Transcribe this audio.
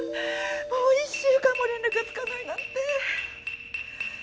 もう１週間も連絡がつかないなんて。